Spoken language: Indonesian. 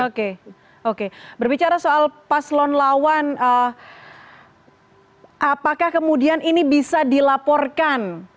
oke oke berbicara soal paslon lawan apakah kemudian ini bisa dilaporkan